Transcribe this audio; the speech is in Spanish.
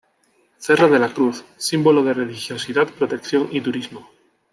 Cerro de la cruz: Símbolo de religiosidad, protección y turismo.